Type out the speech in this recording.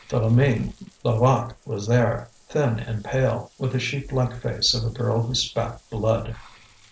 Philoméne Levaque was there, thin and pale, with the sheep like face of a girl who spat blood.